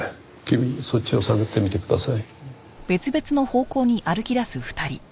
君はそっちを探ってみてください。